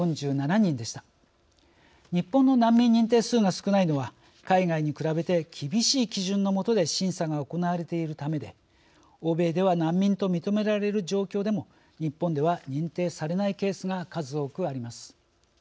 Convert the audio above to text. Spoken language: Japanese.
日本の難民認定数が少ないのは海外に比べて厳しい基準の下で審査が行われているためで欧米では難民と認められる状況でも日本では認定されないケースが数多くあります。